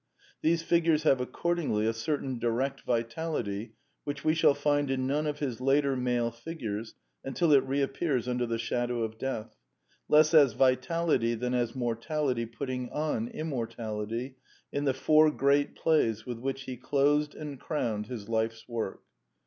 These figures have accordingly a certain direct vitality which we shall find in none of his later male figures until it reappears under the shadow of death, less as vitality than as mortality putting on immortality, in the four great plays with which he closed and crowned his life's work.